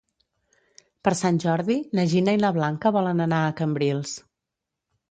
Per Sant Jordi na Gina i na Blanca volen anar a Cambrils.